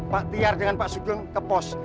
pak tiar dengan pak sugeng ke pos